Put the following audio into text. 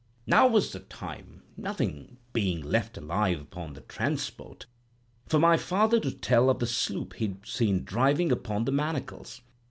"Now was the time—nothing being left alive upon the transport—for my father to tell of the sloop he'd seen driving upon the Manacles.